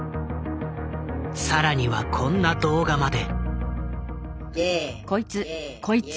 更にはこんな動画まで。